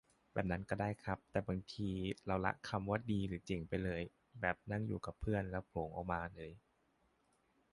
แบบนั้นก็ได้ครับ แต่บางทีเราละคำว่าดีหรือเจ๋งไปเลย แบบนั่งอยู่กับเพื่อนแล้วก็โผล่งออกมาเลย